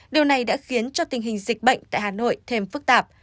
điều này đã khiến cho tình hình dịch bệnh tại hà nội thêm phức tạp